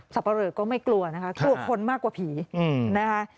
อ้อสับประเริกก็ไม่กลัวนะคะครับกลัวคนมากกว่าผีอืมนะคะ